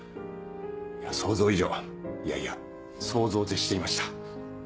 想像以上いやいや想像を絶していました。